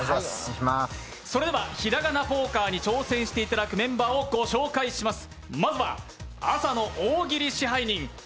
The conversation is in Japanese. それでは「ひらがなポーカー」に挑戦していただく方ご紹介します。